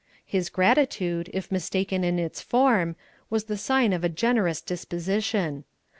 His gratitude, if mistaken in its form, was the sign of a generous disposition.